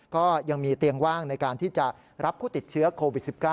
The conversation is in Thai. ก็ยังมีเตียงว่างในการที่จะรับผู้ติดเชื้อโควิด๑๙